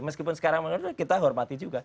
meskipun sekarang menurut saya kita hormat